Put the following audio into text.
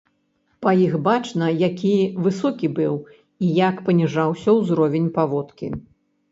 Па іх бачна, які высокі быў і як паніжаўся ўзровень паводкі.